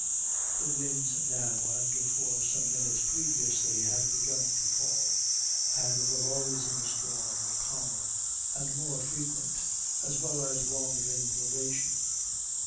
The winds now, and for some minutes previously, had begun to fall, and the lulls in the storm were calmer and more frequent, as well as longer in duration.